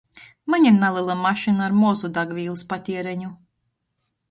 Maņ ir nalela mašyna ar mozu dagvīlys patiereņu.